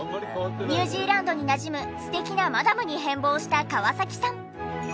ニュージーランドになじむ素敵なマダムに変貌した河崎さん。